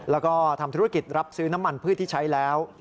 แล้วก็ทำธุรกิจรับซื้อน้ำมันพืชที่ใช้แล้ว